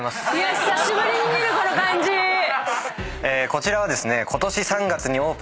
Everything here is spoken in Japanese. こちらはですね。